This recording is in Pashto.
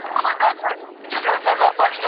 موږ بايد ټولنيزې پديدې اندازه کړو.